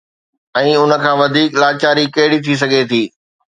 ۽ ان کان وڌيڪ لاچاري ڪهڙي ٿي سگهي ٿي؟